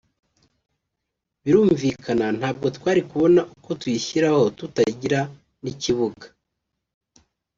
Birumvikana ntabwo twari kubona uko tuyishyiraho tutagira n’ikibuga